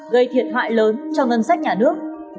gây thiệt hại lớn cho ngân sách nhà nước